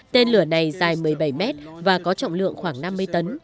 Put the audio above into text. tên lửa này dài một mươi bảy mét và có trọng lượng khoảng năm mươi tấn